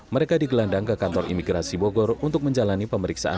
mereka digelandang ke kantor imigrasi bogor untuk menjalani pemeriksaan